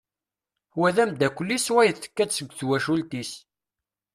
Wa d amddakel-is wayeḍ tekka-d seg twacult-is.